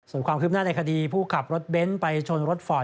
ส่วนความคืบหน้าในคดีผู้ขับรถเบ้นไปชนรถฟอร์ต